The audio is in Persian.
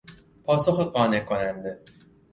پاسخ قانع کننده